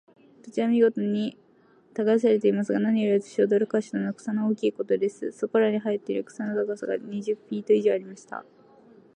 土地は見事に耕されていますが、何より私を驚かしたのは、草の大きいことです。そこらに生えている草の高さが、二十フィート以上ありました。